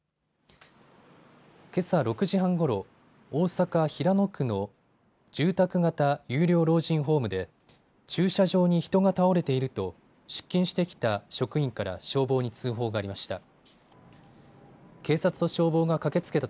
けさ６時半ごろ、大阪平野区の住宅型有料老人ホームで駐車場に人が倒れていると出勤してきた職員から消防に通報がありました。